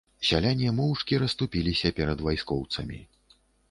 Сяляне моўчкі расступіліся перад вайскоўцамі.